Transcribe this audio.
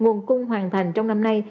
nguồn cung hoàn thành trong năm nay